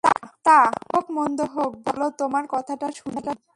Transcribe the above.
তা, ভালো হোক মন্দ হোক, বলো তোমার কথাটা শুনি।